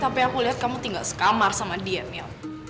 tapi aku liat kamu tinggal sekamar sama dia milo